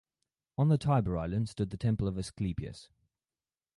On the Tiber Island stood the Temple of Asclepius.